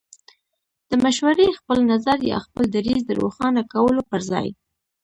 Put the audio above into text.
د مشورې، خپل نظر يا خپل دريځ د روښانه کولو پر ځای